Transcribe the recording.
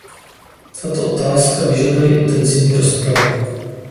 Tato otázka vyžaduje intenzivní rozpravu.